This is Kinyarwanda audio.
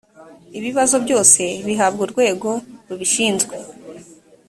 ibibazo byose bihabwa urwego rubishinzwe.